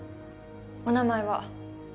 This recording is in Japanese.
お名前は？